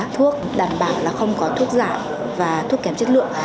thuốc đảm bảo là không có thuốc giả và thuốc kém chất lượng